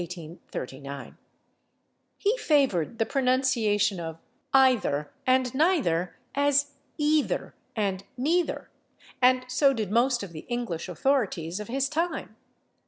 He favored the pronunciation of /either/ and /neither/ as /ee ther/ and /nee ther/, and so did most of the English authorities of his time.